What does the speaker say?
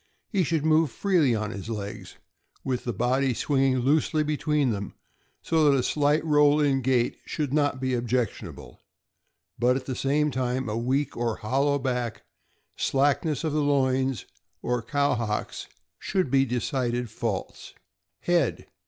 He should move freely on his legs, with the body swinging loosely between them, so that a slight roll in gait should not be objectionable; but, at the same time, a weak or hol low back, slackness of the loins, or cow hocks should be decided faults. Head.